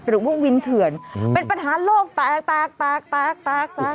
หรือว่าวินเถื่อนเป็นปัญหาโลกแตกแตก